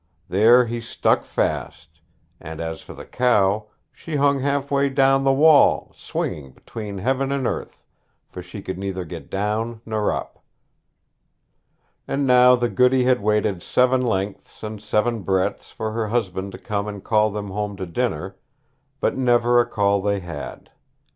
There he stuck fast; and as for the cow, she hung half way down the wall, swinging between heaven and earth, for she could neither get down nor up. And now the goody had waited seven lengths and seven breadths for her husband to come and call them home to dinner; but never a call they had.